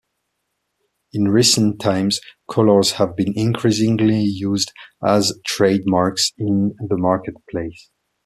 In recent times colours have been increasingly used as trade marks in the marketplace.